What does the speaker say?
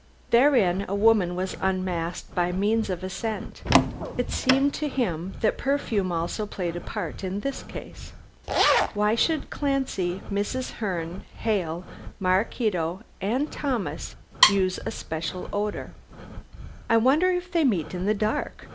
Therein a woman was unmasked by means of a scent. It seemed to him that perfume also played a part in this case. Why should Clancy, Mrs. Herne, Hale, Maraquito and Thomas use a special odor? "I wonder if they meet in the dark?"